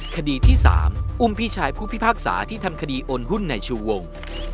คดีที่๓อุ้มพี่ชายผู้พิพากษาที่ทำคดีโอนหุ้นในชูวง